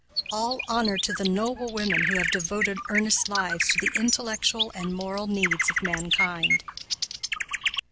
All honor to the noble women who have devoted earnest lives to the intellectual and moral needs of mankind!